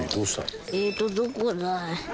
えっとどこだ？